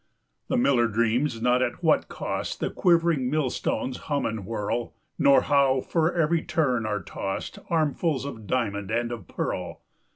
The miller dreams not at what cost 25 The quivering millstones hum and whirl, Nor how for every turn are tost Armfuls of diamond and of pearl.